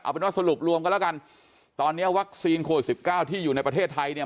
เป็นว่าสรุปรวมกันแล้วกันตอนนี้วัคซีนโควิดสิบเก้าที่อยู่ในประเทศไทยเนี่ย